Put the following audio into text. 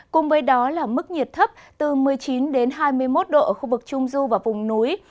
cùng với đó là mức nhiệt thấp từ một mươi chín đến hai mươi một độ ở khu vực trung du và vùng núi